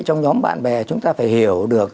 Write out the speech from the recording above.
trong nhóm bạn bè chúng ta phải hiểu được